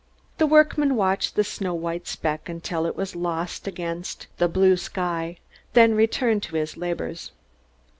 The workman watched the snow white speck until it was lost against the blue sky, then returned to his labors.